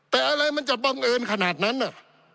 แต่อะไรมันจะบังเอิญขนาดนั้นน่ะ